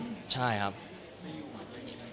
อืมไม่อยู่มากเลย